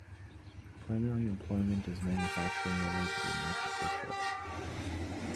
Primary employment is manufacturing related and agricultural.